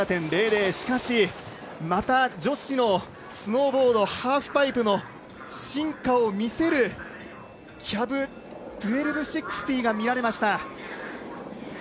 しかし、また女子のスノーボード・ハーフパイプの進化を見せるキャブ１２６０が見られました。